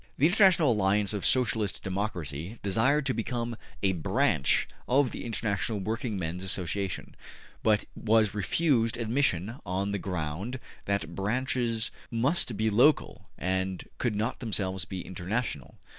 The International Alliance of Socialist Democracy desired to become a branch of the International Working Men's Association, but was refused admission on the ground that branches must be local, and could not themselves be international.